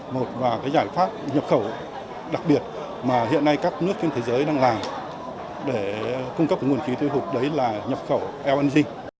một và cái giải pháp nhập khẩu đặc biệt mà hiện nay các nước trên thế giới đang làm để cung cấp nguồn khí thô hộp đấy là nhập khẩu lng